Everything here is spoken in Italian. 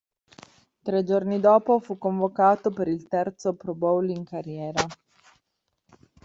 Tre giorni dopo fu convocato per il terzo Pro Bowl in carriera.